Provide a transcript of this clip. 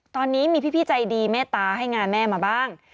ตอนนี้มีพี่ใจดีเมตตาให้งานแม่มาบ้าง